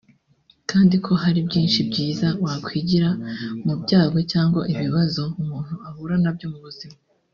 kandi ko hari byinshi byiza wakwigira mu byago cyangwa ibibazo umuntu ahura nabyo mu buzima